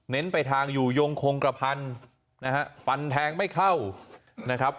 ไปทางอยู่ยงคงกระพันธุ์นะฮะฟันแทงไม่เข้านะครับ